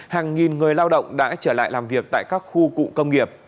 hàng nghìn người lao động đã trở lại làm việc tại các khu cụ công nghiệp